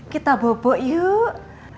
kita bobok yuk